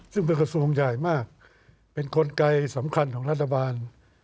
ซึ่งเป็นกระทรวงใหญ่มากเป็นกลไกสำคัญของรัฐบาล